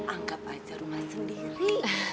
anggap aja rumah sendiri